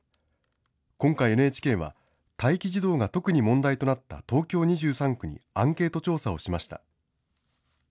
今回、ＮＨＫは待機児童が特に問題となった東京２３区にアンケート調査をしました。